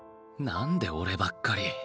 「何で俺ばっかり」